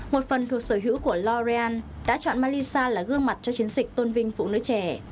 một phần thuộc sở hữu của loryan đã chọn malisa là gương mặt cho chiến dịch tôn vinh phụ nữ trẻ